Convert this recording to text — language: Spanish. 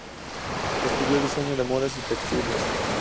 Estudió Diseño de modas y textiles.